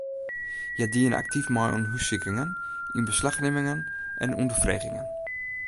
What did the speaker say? Hja diene aktyf mei oan hússikingen, ynbeslachnimmingen en ûnderfregingen.